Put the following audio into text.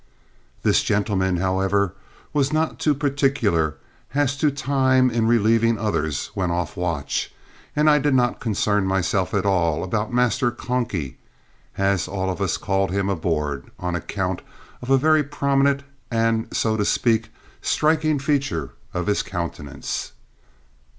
This gentleman, however, was not too particular as to time in relieving others when off watch, and I did not concern myself at all about Master "Conky," as all of us called him aboard, on account of a very prominent, and, so to speak, striking feature of his countenance.